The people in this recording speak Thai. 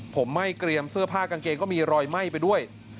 ผมไหม้เกรียมเสื้อผ้ากางเกงก็มีรอยไหม้ไปด้วย